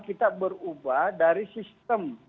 kita berubah dari sistem